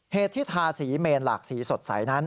เหตุที่ทาสีเมนหลากสีสดใสนั้น